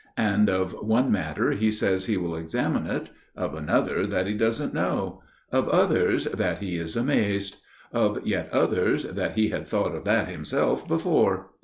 And of one matter, he says he will examine it; of another, that he doesn't know; of others, that he is amazed; of yet others, that he had thought of that himself before.